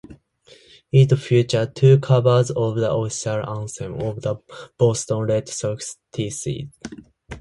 It features two covers of the official anthem of the Boston Red Sox, "Tessie".